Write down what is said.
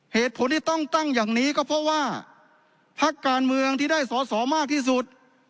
เหตุผลที่ต้องตั้งอย่างนี้ก็เพราะว่าพักการเมืองที่ได้สอสอมากที่สุด